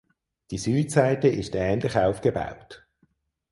Die Südseite ist ähnlich aufgebaut.